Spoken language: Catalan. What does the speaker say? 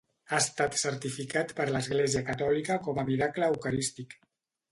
Ha estat certificat per l'Església catòlica com un miracle eucarístic.